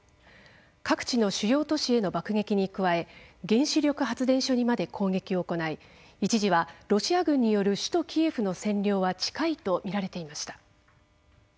各地の主要都市への爆撃に加え原子力発電所にまで攻撃を行い一時はロシア軍による首都キエフの占領は近いとみられていました。